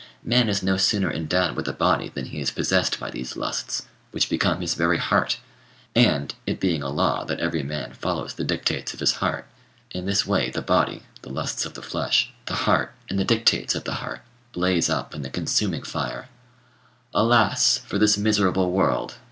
Man is no sooner endowed with a body than he is possessed by these lusts, which become his very heart; and, it being a law that every man follows the dictates of his heart, in this way the body, the lusts of the flesh, the heart, and the dictates of the heart, blaze up in the consuming fire. 'Alas! for this miserable world!'